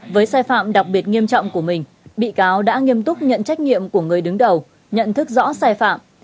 với sai phạm đặc biệt nghiêm trọng của mình bị cáo đã nghiêm túc nhận trách nhiệm của người đứng đầu nhận thức rõ sai phạm